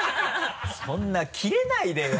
そんなキレないでよ